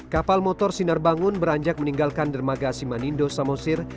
kapal motor sinar bangun beranjak meninggalkan dermaga simanindo samosir